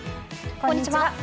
こんにちは。